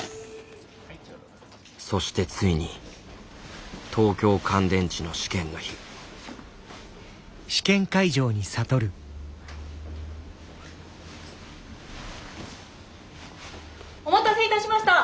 そしてついに東京乾電池の試験の日お待たせいたしました。